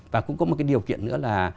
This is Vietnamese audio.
và cũng có một cái điều kiện nữa là